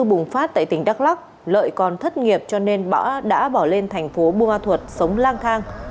bùng phát tại tỉnh đắk lắc lợi còn thất nghiệp cho nên đã bỏ lên thành phố buôn ma thuật sống lang thang